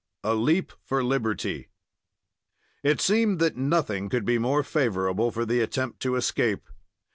A LEAP FOR LIBERTY It seemed that nothing could be more favorable for the attempt to escape.